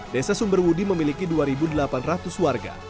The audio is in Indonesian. desa sumberwudi memiliki dua delapan ratus warga